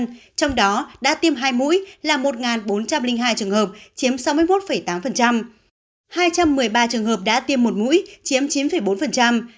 trong đó đã tiêm hai mũi là một bốn trăm linh hai trường hợp chiếm sáu mươi một tám hai trăm một mươi ba trường hợp đã tiêm một mũi chiếm chín bốn